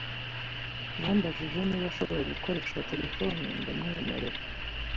Yambajije niba ashobora gukoresha terefone, ndamwemerera.